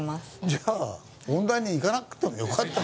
じゃあ音大に行かなくてもよかったんじゃ。